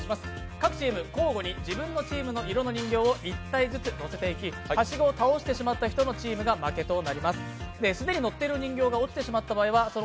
各チーム交互に自分のチームの色の人形を１体ずつのせていき、はしごを倒してしまったチームが負けとなります。